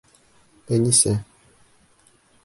Әнисә!